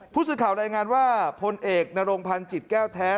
ผู้สื่อข่าวรายงานว่าพลเอกนรงพันธ์จิตแก้วแท้